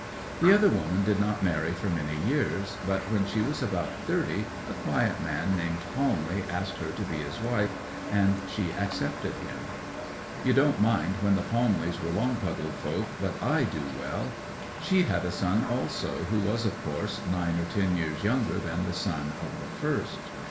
'The other woman did not marry for many years: but when she was about thirty a quiet man named Palmley asked her to be his wife, and she accepted him. You don't mind when the Palmleys were Longpuddle folk, but I do well. She had a son also, who was, of course, nine or ten years younger than the son of the first.